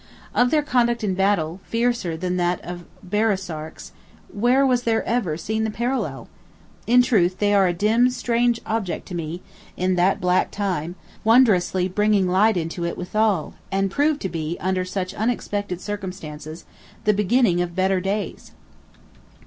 Of their conduct in battle, fiercer than that of Baresarks, where was there ever seen the parallel? In truth they are a dim strange object to one, in that black time; wondrously bringing light into it withal; and proved to be, under such unexpected circumstances, the beginning of better days!